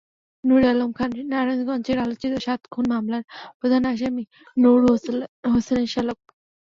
নূরে আলম খান নারায়ণগঞ্জের আলোচিত সাত খুন মামলার প্রধান আসামি নূর হোসেনের শ্যালক।